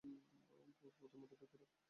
পোদের মধ্যে ঢুকিয়ে রাখে।